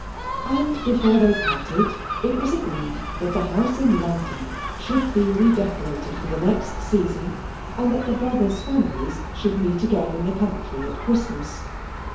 And, before they parted, it was agreed that the house in London should be redecorated for the next season, and that the brothers' families should meet again in the country at Christmas.